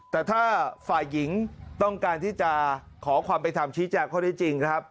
แต่ถ้าฝ่ายหญิงต้องการที่จะขอความเป็นธรรมชี้แจงข้อได้จริงนะครับ